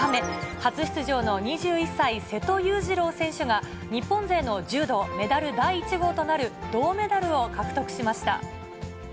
初出場の２１歳、瀬戸勇次郎選手が、日本勢の柔道メダル第１号となる銅メダルを獲得しました。